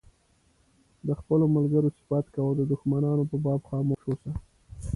د خپلو ملګرو صفت کوه او د دښمنانو په باب خاموش اوسه.